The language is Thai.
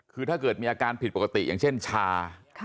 คือถ้าเกิดมีอาการผิดปกติอย่างเช่นชา